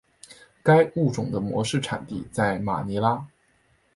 该物种的模式产地在马尼拉。